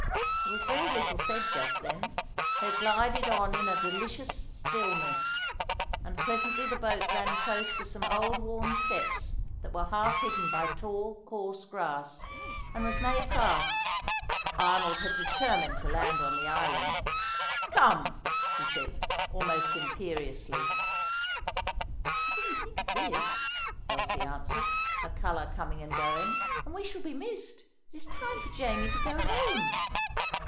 There was very little said just then. They glided on in a delicious stillness; and presently the boat ran close to some old worn steps that were half hidden by tall, coarse grass, and was made fast. Arnold had determined to land on the island. "Come," he said, almost imperiously. "I didn't think of this," Elsie answered, her colour coming and going, "and we shall be missed. It is time for Jamie to go home."